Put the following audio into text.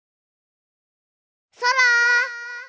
そら！